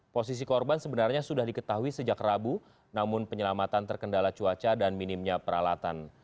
posisi korban sebenarnya sudah diketahui sejak rabu namun penyelamatan terkendala cuaca dan minimnya peralatan